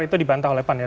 itu dibantah oleh pan ya